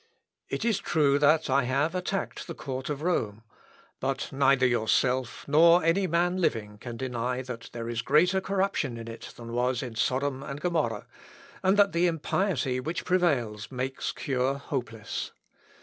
] "It is true that I have attacked the Court of Rome; but neither yourself nor any man living can deny that there is greater corruption in it than was in Sodom and Gomorrah, and that the impiety which prevails makes cure hopeless.